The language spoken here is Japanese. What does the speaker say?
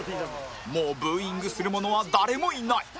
もうブーイングする者は誰もいない